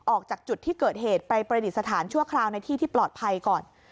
ออกจากจุดที่เกิดเหตุไปประดิษฐานชั่วคราวในที่ที่ปลอดภัยก่อน